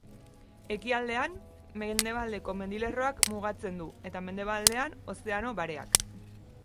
Ekialdean Mendebaldeko mendilerroak mugatzen du eta mendebaldean Ozeano Bareak.